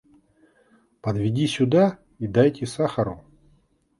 Подведи сюда, и дайте сахару.